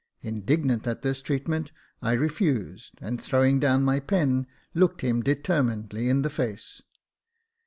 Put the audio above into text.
Indignant at this treatment, I refused, and, throwing down my pen, looked him determinedly in the face.